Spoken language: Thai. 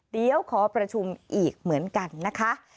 เดี๋ยวขอประชุมอีกเหมือนกันนะคะ